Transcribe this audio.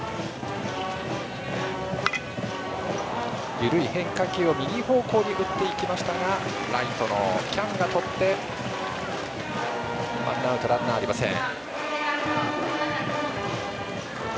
緩い変化球を右方向に打っていきましたがライトの喜屋武がとってワンアウト、ランナーありません。